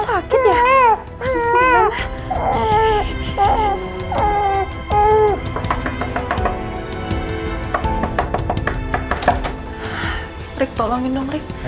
selamat ulang tahun ya rengan